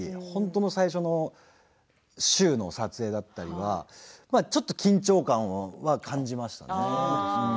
本当に最初の週の撮影だったりするときはちょっと緊張感を感じましたね。